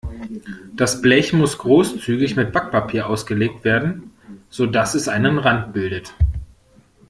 Das Blech muss großzügig mit Backpapier ausgelegt werden, sodass es einen Rand bildet.